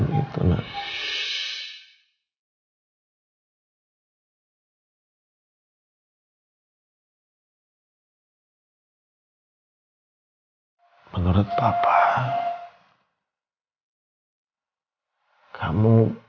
cintanya terhadap kamu